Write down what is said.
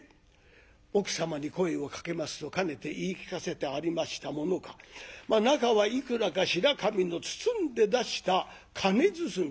奥様に声をかけますとかねて言い聞かせてありましたものか中はいくらか白紙の包んで出した金包み。